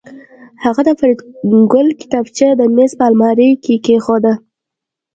هغه د فریدګل کتابچه د میز په المارۍ کې کېښوده